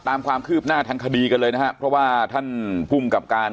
ตามความคืบหน้าทางคดีกันเลยนะครับเพราะว่าท่านภูมิกับการ